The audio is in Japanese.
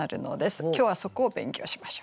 今日はそこを勉強しましょう。